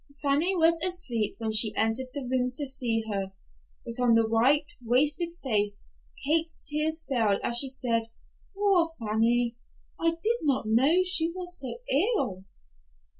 Fanny was asleep when she entered the room to see her, but on the white, wasted face Kate's tears fell as she said, "Poor Fanny! I did not know she was so ill."